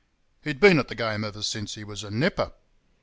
He'd been at the game ever since he was a nipper.